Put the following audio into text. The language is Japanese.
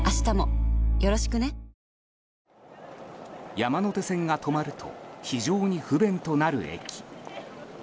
山手線が止まると非常に不便となる駅。